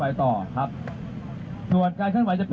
มาสอบถามร่วมกันนะครับ